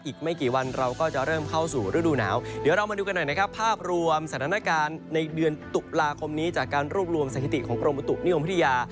อีกไม่กี่วันเราก็จะเริ่มเข้าสู่ฤดูหนาวเดี๋ยวเรามาดูกันหน่อยนะครับภาพรวมสถานการณ์ในเดือนตุลาคมนี้จากการรวบรวมสถิติของกรมอุตุนิยมวิทยา